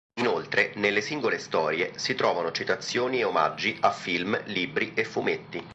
Inoltre nelle singole storie si trovano citazioni e omaggi a film, libri e fumetti.